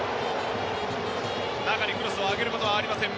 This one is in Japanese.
中にクロスを上げることはありません